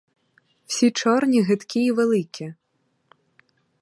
Всі чорні, гидкі й великі.